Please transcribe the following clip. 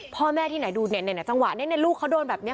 พ่อแม่ที่ไหนดูเนี่ยจังหวะนี้ลูกเขาโดนแบบนี้